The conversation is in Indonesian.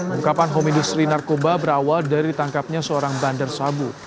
pengkapan homo industri narkoba berawal dari tangkapnya seorang bandar sabu